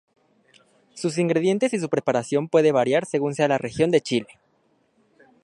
Sus ingredientes y su preparación puede variar según sea la región de Chile.